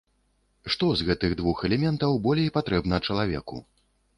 Што з гэтых двух элементаў болей патрэбна чалавеку?